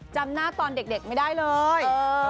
จำหน้าตอนเด็กไม่ได้เลย